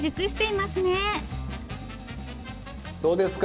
どうですか？